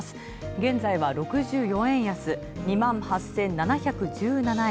現在は６４円安、２８７１７円。